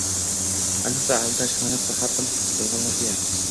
Ayniqsa, aldash, xiyonat va har xil yolg'onlarga